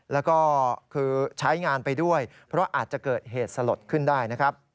แล้วก็คือใช้งานไปด้วยเพราะอาจจะเกิดเหตุสลดขึ้นได้นะครับ